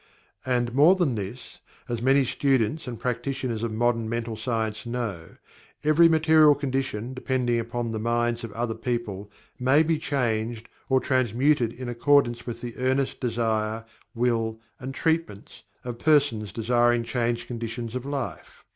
And more than this, as many students and practitioners of modern mental science know, every material condition depending upon the minds of other people may be changed or transmuted in accordance with the earnest desire, will, and "treatments" of person desiring changed conditions of life.